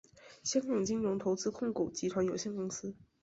香港金融投资控股集团有限公司。